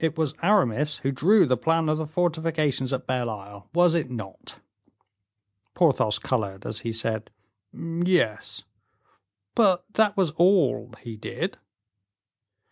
"It was Aramis who drew the plan of the fortifications at Belle Isle, was it not?" Porthos colored as he said, "Yes; but that was all he did."